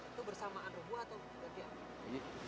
itu bersamaan rubuh atau bagian